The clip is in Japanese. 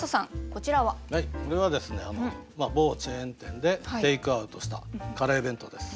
これはですね某チェーン店でテイクアウトしたカレー弁当です。